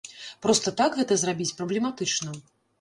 Проста так гэта зрабіць праблематычна.